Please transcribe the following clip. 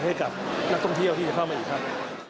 ให้กับนักท่องเที่ยวที่จะเข้ามาอีกครับ